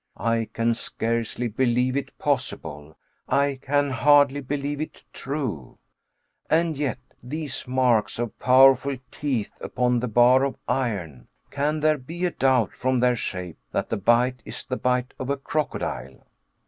I can scarcely believe it possible; I can hardly believe it true. And yet these marks of powerful teeth upon the bar of iron! Can there be a doubt from their shape that the bite is the bite of a crocodile?